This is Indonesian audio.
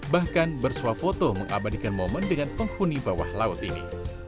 bahkan bersuah foto mengabadikan momen dengan penghuni bawah laut ini